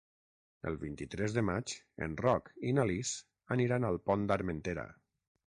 El vint-i-tres de maig en Roc i na Lis aniran al Pont d'Armentera.